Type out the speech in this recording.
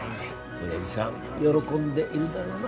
おやじさん喜んでいるだろうな。